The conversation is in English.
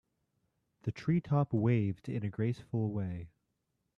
The tree top waved in a graceful way.